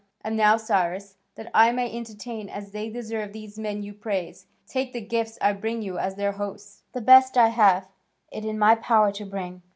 And now, Cyrus, that I may entertain as they deserve these men you praise, take the gifts I bring you as their host, the best I have it in my power to bring."